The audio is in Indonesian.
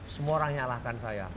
semua orang nyalahkan saya